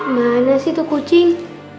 mana sih tuh kucing